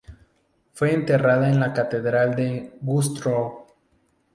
Fue enterrada en la catedral de Güstrow.